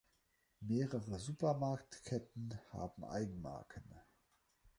Mehrere Supermarktketten haben Eigenmarken.